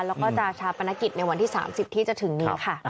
แล้วก็จะชาปนกิจในวันที่๓๐ที่จะถึงนี้ค่ะ